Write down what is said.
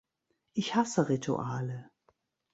Ich hasse Rituale.